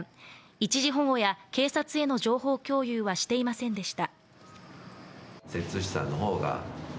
一時保護や警察への情報共有はしていませんでした。